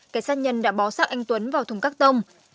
kẻ sát nhân đã bó sát anh tuấn vào thùng cắt tông